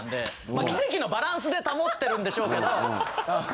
まあ奇跡のバランスで保ってるんでしょうけど。